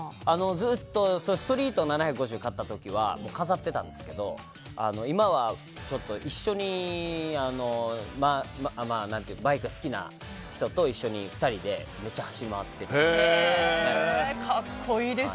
ずっとストリート７５０を買った時は飾ってたんですけど今はバイク好きな人と一緒に２人でめっちゃ走り回ってます。